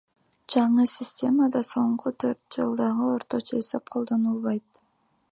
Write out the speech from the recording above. Жаңы системада соңку төрт жылдагы орточо эсеп колдонулбайт.